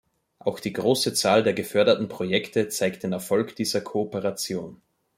Auch die große Zahl der geförderten Projekte zeigt den Erfolg dieser Kooperation.